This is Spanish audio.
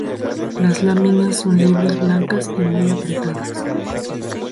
Las láminas son libres, blancas y muy apretadas.